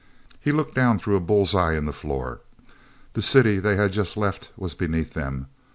He looked down through a bull's eye in the floor. The city they had just left was beneath them.